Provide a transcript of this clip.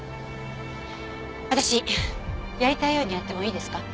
私やりたいようにやってもいいですか？